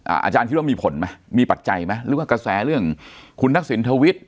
อาจารย์คิดว่ามีผลไหมมีปัจจัยไหมหรือว่ากระแสเรื่องคุณทักษิณฑวิทย์